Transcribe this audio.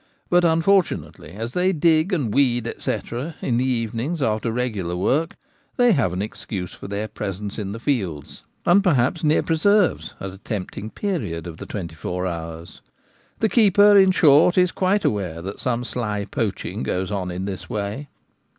But unfortunately as they dig and weed, &c, in the evenings after regular work, they have an excuse for their presence in the fields, and perhaps near N 1 78 The Gamekeeper at Home. preserves at a tempting period of the twenty four hours. The keeper, in short, is quite aware that some sly poaching goes on in this way.